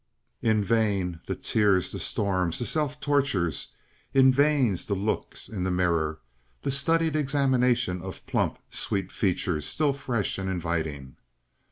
In vain the tears, the storms, the self tortures; in vain the looks in the mirror, the studied examination of plump, sweet features still fresh and inviting.